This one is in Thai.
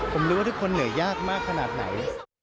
ผมรู้ว่าทุกคนเหนื่อยยากมากขนาดไหน